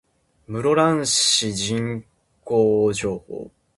室蘭市人口情報